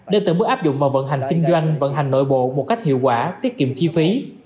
để từng bước áp dụng vào vận hành kinh doanh vận hành nội bộ một cách hiệu quả tiết kiệm chi phí